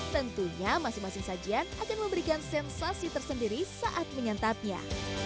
tentunya masing masing sajian akan memberikan sensasi tersendiri saat menyantapnya